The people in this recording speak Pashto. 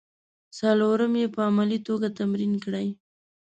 څلورم یې په عملي توګه تمرین کړئ.